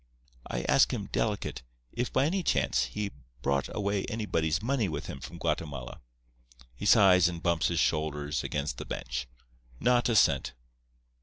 "I ask him, delicate, if, by any chance, he brought away anybody's money with him from Guatemala. He sighs and bumps his shoulders against the bench. Not a cent.